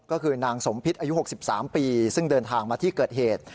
ก็คือนางสมพิษอายุ๖๓ปีซึ่งเดินทางมาที่เกิดเหตุ